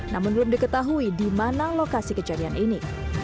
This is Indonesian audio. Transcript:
namun belum diketahui di mana lokasi kejadian ini